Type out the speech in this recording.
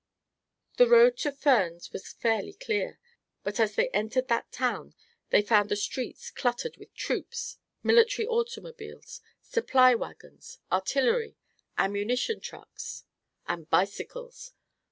The road to Furnes was fairly clear, but as they entered that town they found the streets cluttered with troops, military automobiles, supply wagons, artillery, ammunition trucks and bicycles.